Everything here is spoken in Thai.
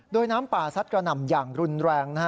โดยน้ำป่าซัดกระหน่ำอย่างรุนแรงนะฮะ